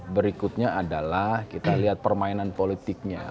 berikutnya adalah kita lihat permainan politiknya